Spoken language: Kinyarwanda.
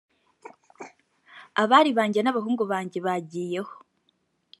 abari banjye n’abahungu banjye bagiye ho